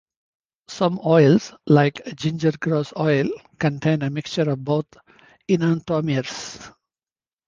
Some oils, like gingergrass oil, contain a mixture of both enantiomers.